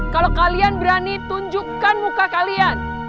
kalau kalian berani tunjukkan muka kalian